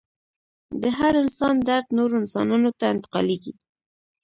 د هر انسان درد نورو انسانانو ته انتقالیږي.